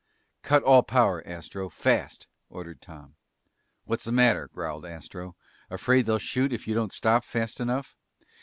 "Cut all power, Astro fast!" ordered Tom. "What's the matter?" growled Astro. "Afraid they'll shoot if you don't stop fast enough?"